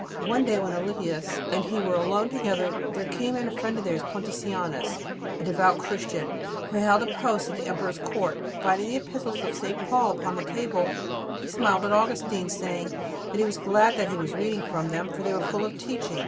One day when Alypius and he were alone together there came in a friend of theirs, Pontitianus, a devout Christian, who held a post at the Emperor's Court. Finding the Epistles of St. Paul upon the table, he smiled at Augustine, saying that he was glad that he was reading them, for they were full of teaching.